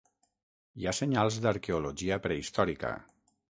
Hi ha senyals d'arqueologia prehistòrica.